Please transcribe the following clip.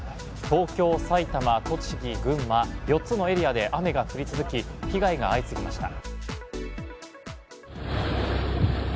東京、埼玉、栃木、群馬、４つのエリアで雨が降り続き、被害が相次ぎました。